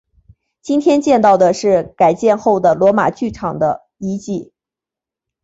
今天见到的是改建后的罗马剧场的遗迹。